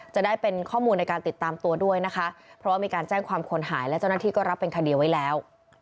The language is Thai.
จะได้เป็นข้อมูลในการติดตามตัวด้วยนะคะเพราะว่ามีการแจ้งความคนหายและเจ้าหน้าที่ก็รับเป็นคดีไว้แล้ว